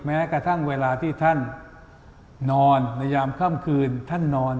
แม้กระทั่งเวลาที่ท่านนอนในยามค่ำคืนท่านนอน